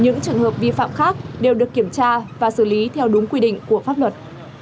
những trường hợp vi phạm khác đều được kiểm tra và xử lý theo đúng quy định của pháp luật